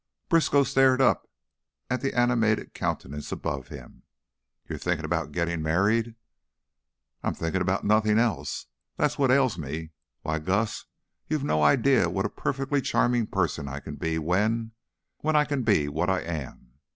Briskow stared up at the animated countenance above him. "You thinkin' about gettin' married?" "I'm thinking about nothing else. That's what ails me. Why, Gus, you've no idea what a perfectly charming person I can be when when I can be what I am.